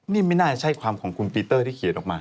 นี่ไม่น่าจะใช่ความของคุณปีเตอร์ที่เขียนออกมา